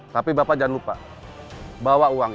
tapi bapak jangan lupa bawa uang